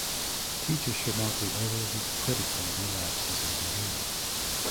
Teachers should not be overly critical of relapses in behaviour.